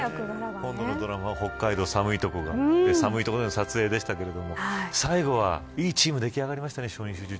今度のドラマは北海道の寒い所で撮影でしたけど最後はいいチーム出来上がりましたね。